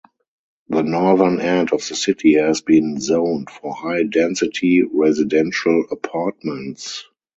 The northern end of the city has been zoned for high density residential apartments.